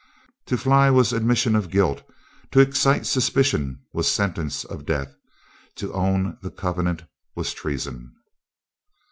To fly was admission of guilt; to excite suspicion was sentence of death; to own the covenant was treason.